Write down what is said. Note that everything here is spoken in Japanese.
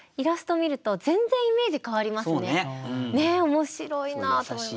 面白いなと思いました。